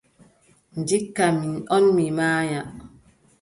Ndikka min ɗon mi maaya.